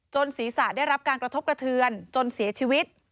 ศีรษะได้รับการกระทบกระเทือนจนเสียชีวิต